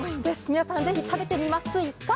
皆さん、ぜひ食べてみまスイカ？